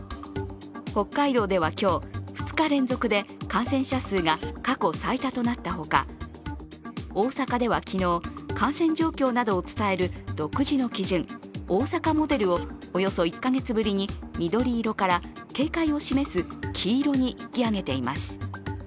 北海道では今日、２日連続で感染者数が過去最多となったほか大阪では昨日、感染状況などを伝える独自の基準、大阪モデルをおよそ１か月ぶりに緑色から警戒を示す黄色に引き上げています。